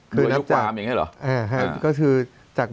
ดูอายุขวามอย่างนี้หรอ